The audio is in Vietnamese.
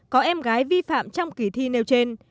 có em gái vi phạm trong kỳ thi nêu trên